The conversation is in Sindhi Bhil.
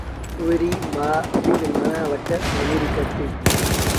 اُئي ريٚ مآ اميٚر مآڻهآݩ وٽ مزوريٚ ڪرتي